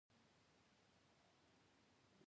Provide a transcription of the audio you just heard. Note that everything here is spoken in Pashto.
د خوشحال خان ژوند هم تاریخي دی.